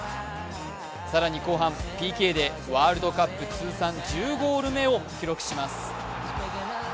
更に後半、ＰＫでワールドカップ通算１０ゴール目を記録します。